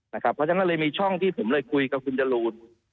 เพราะฉะนั้นเลยมีช่องที่ผมเลยคุยกับคุณจรูน